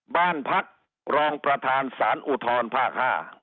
บ้านพักรองประธานสารอุทธรภาค๕